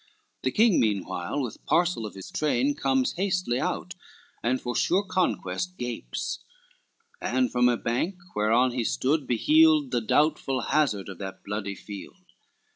The king meanwhile with parcel of his train Comes hastily out, and for sure conquest gapes, And from a bank whereon he stood, beheld The doubtful hazard of that bloody field.